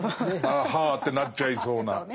ああはあってなっちゃいそうな。